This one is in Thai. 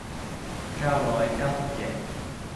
เก้าร้อยเก้าสิบเจ็ด